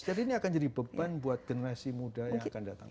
jadi ini akan jadi beban buat generasi muda yang akan datang